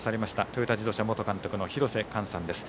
トヨタ自動車元監督の廣瀬寛さんです。